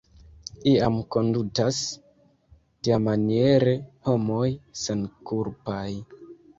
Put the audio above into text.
Iam kondutas tiamaniere homoj senkulpaj.